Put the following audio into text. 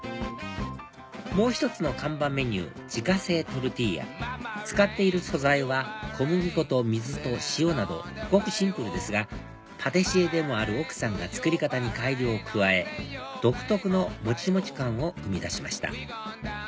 もう一つの看板メニュー自家製トルティーヤ使っている素材は小麦粉と水と塩などごくシンプルですがパティシエでもある奥さんが作り方に改良を加え独特のもちもち感を生み出しました